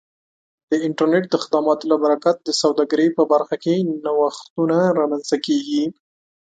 د انټرنیټ د خدماتو له برکت د سوداګرۍ په برخه کې نوښتونه رامنځته کیږي.